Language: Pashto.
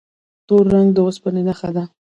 تور رنګ د اوسپنې نښه ده.